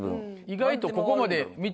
意外と。